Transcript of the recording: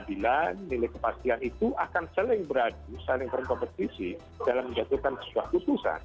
jadi milik keadilan milik kepastian itu akan saling beradu saling berkompetisi dalam menjatuhkan sebuah putusan